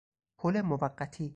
پل موقتی